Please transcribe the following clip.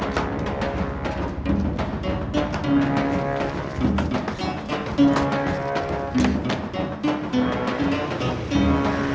saya tidak bermaksud seperti itu nah